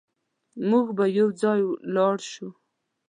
موږ به يوځای لاړ شو